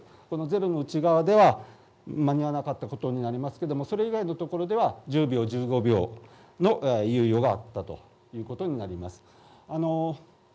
このゼロの内側では間に合わなかったことになりますがそれ以外のところでは１０秒、１５秒の猶予があったということになります。